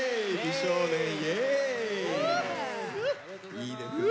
いいですね。